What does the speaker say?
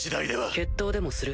決闘でもする？